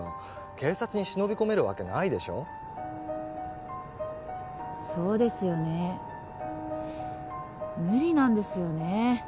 警察に忍び込めるわけないでしょそうですよね無理なんですよね